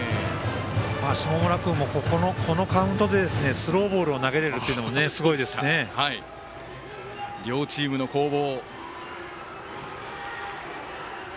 下村君もこのカウントでスローボールを投げれるのも両チームの攻防。